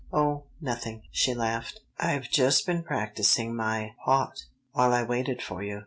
"Oh, nothing," she laughed. "I've just been practising my paht while I waited for you.